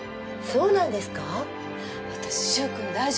そうなんですか？